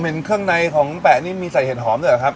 เห็นเครื่องในของแปะนี่มีใส่เห็ดหอมด้วยเหรอครับ